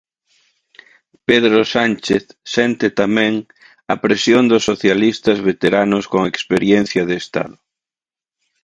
Pedro Sánchez sente tamén a presión dos socialistas veteranos con experiencia de Estado.